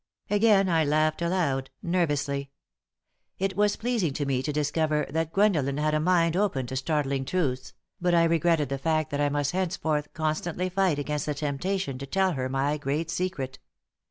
Again I laughed aloud, nervously. It was pleasing to me to discover that Gwendolen had a mind open to startling truths, but I regretted the fact that I must henceforth constantly fight against the temptation to tell her my great secret.